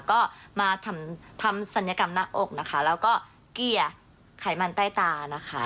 ก็มาทำศัลยกรรมหน้าอกนะคะแล้วก็เกลี่ยไขมันใต้ตานะคะ